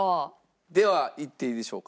ではいっていいでしょうか？